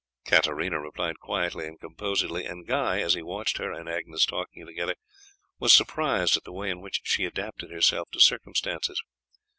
Katarina replied quietly and composedly, and Guy, as he watched her and Agnes talking together, was surprised at the way in which she adapted herself to circumstances.